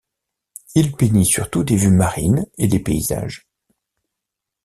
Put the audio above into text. Il peignit surtout des vues marines et des paysages.